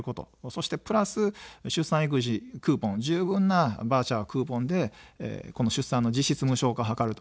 そしてプラス出産育児クーポン、十分なバウチャー、クーポンでこの出産の実質無償化を図る。